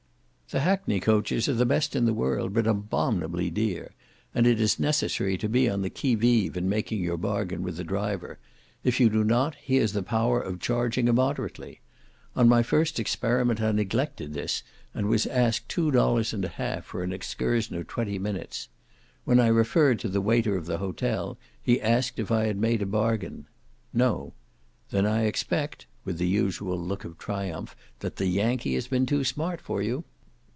The hackney coaches are the best in the world, but abominably dear, and it is necessary to be on the qui vive in making your bargain with the driver; if you do not, he has the power of charging immoderately. On my first experiment I neglected this, and was asked two dollars and a half for an excursion of twenty minutes. When I referred to the waiter of the hotel, he asked if I had made a bargain. "No." "Then I expect" (with the usual look of triumph) "that the Yankee has been too smart for you."